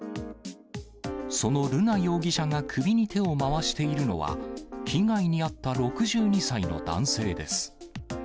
その瑠奈容疑者が首に手を回しているのは、被害に遭った６２歳の男性です。